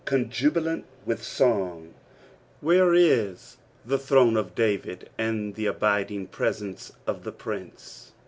" coDJubilant with song," where is the tlirono of David, and the abiding presence of the Prince